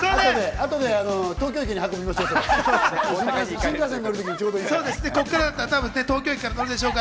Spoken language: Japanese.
後で東京駅に運びましょう。